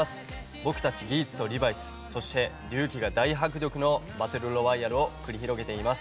僕たちギーツとリバイスそして龍騎が大迫力のバトルロワイヤルを繰り広げています。